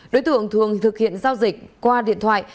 đối tượng thường thực hiện giao dịch qua điện thoại